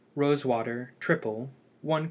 Rose water (triple) 1 qt.